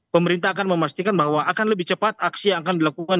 pemerintah akan memastikan bahwa akan lebih cepat aksi yang akan dilakukan